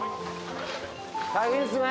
大変ですね。